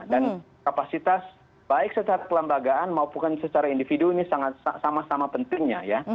dan kapasitas baik secara kelembagaan maupun secara individu ini sama sama pentingnya ya